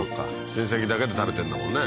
親戚だけで食べてんだもんね